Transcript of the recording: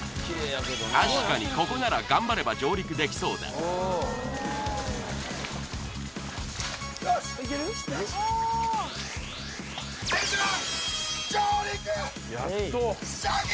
確かにここなら頑張れば上陸できそうだシャキーン！